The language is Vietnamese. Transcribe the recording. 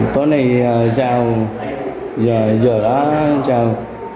tối nay sao giờ đó sao